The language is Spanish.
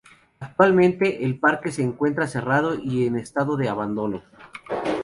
Actualmente, el parque se encuentra cerrado y en estado de abandono.